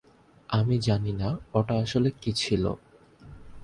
আমি জানি না ওটা আসলে কি ছিল।